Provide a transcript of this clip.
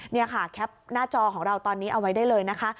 นี่ค่ะแคปหน้าจอของเราตอนนี้เอาไว้ได้เลยนะคะ